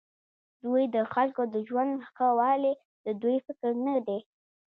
دوی د خلکو د ژوند ښهوالی د دوی فکر نه دی.